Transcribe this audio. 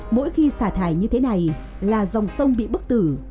mỗi khi xả thải như thế này là dòng sông bị bức tử